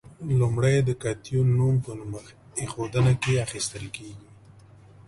لومړی د کتیون نوم په نوم ایښودنه کې اخیستل کیږي.